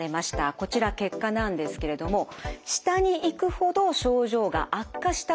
こちら結果なんですけれども下に行くほど症状が悪化したことを示しています。